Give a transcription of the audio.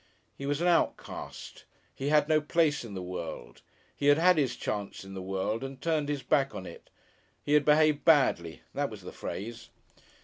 He was an outcast, he had no place in the world. He had had his chance in the world and turned his back on it. He had "behaved badly" that was the phrase....